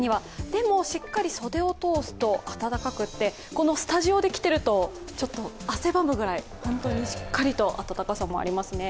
でも、しっかり袖を通すと暖かくてこのスタジオで着てるとちょっと汗ばむぐらい本当にしっかりと暖かさもありますね。